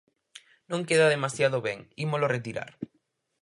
Non queda demasiado ben, ímolo retirar.